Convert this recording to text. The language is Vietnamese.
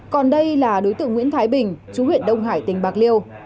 còn đây là đối tượng nguyễn thái bình chú huyện đông hải tỉnh bạc liêu